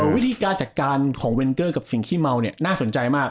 วิธีการจัดการของเวนเกอร์กับสิ่งขี้เมาเนี่ยน่าสนใจมาก